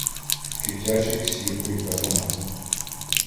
В кип'ячих сіркой казанах.